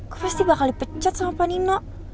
gue pasti bakal dipecat sama pak nino